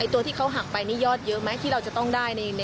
ตัวที่เขาหักไปนี่ยอดเยอะไหมที่เราจะต้องได้